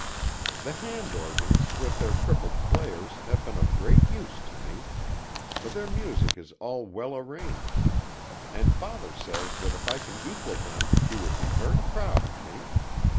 The hand organs, with their crippled players, have been of great use to me, for their music is all well arranged, and father says that if I can equal them he will be very proud of me.